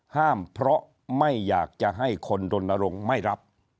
ห้ามเพราะไม่อยากจะให้คนรณรงค์ไม่รับ